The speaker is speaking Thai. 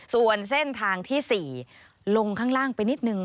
ส่วนเส้นทางที่๔ลงข้างล่างไปนิดนึง